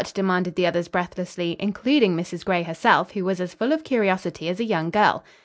demanded the others breathlessly, including Mrs. Gray herself, who was as full of curiosity as a young girl.